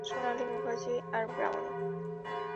সোনালি মুখার্জি আর ব্রাউনি!